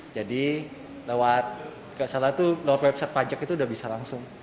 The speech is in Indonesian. jadi lewat website pajak itu udah bisa langsung